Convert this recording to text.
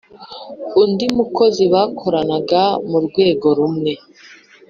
undi mukozi bakorana mu rwego rumwe